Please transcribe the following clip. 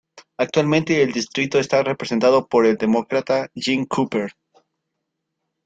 Actualmente el distrito está representado por el Demócrata Jim Cooper.